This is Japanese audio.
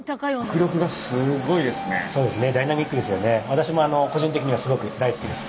私も個人的にはすごく大好きです。